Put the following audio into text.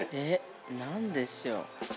◆何でしょう。